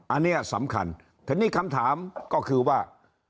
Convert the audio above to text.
อันนี้สำคัญทีนี้คำถามก็คือว่า